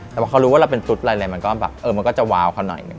แต่ว่าเขารู้ว่าเราเป็นตุ๊ดอะไรมันก็จะวาวเขาหน่อยหนึ่ง